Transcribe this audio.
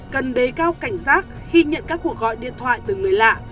cần đề cao cảnh giác khi nhận các cuộc gọi điện thoại từ người lạ